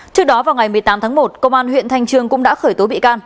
trước đó vào ngày một mươi tám tháng một công an huyện thanh trương cũng đã khởi tố bị can